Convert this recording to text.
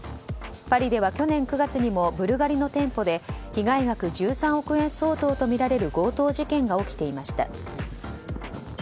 パリでは去年９月にもブルガリの店舗で被害額１３億円相当とみられる強盗事件が起きていました。